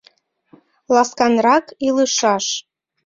Ласканрак илышаш!